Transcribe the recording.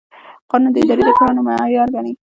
قانون د ادارې د کړنو معیار ټاکي.